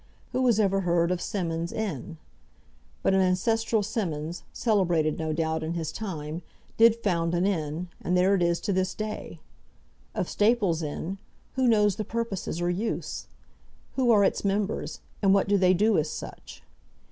Who has ever heard of Symonds' Inn? But an ancestral Symonds, celebrated, no doubt, in his time, did found an inn, and there it is to this day. Of Staples' Inn, who knows the purposes or use? Who are its members, and what do they do as such?